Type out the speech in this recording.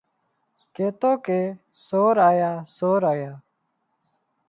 ڪيتو ڪي سور آيا سور آيا